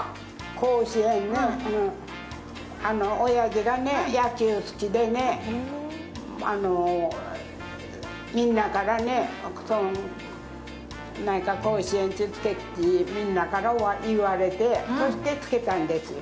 甲子園ね、親父がね、野球好きでね、みんなからね、甲子園ってつけろって言われて、そしてつけたんです。